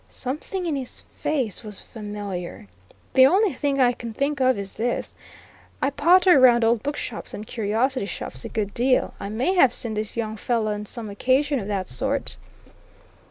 Something in his face was familiar. The only thing I can think of is this: I potter round old bookshops and curiosity shops a good deal I may have seen this young fellow on some occasion of that sort."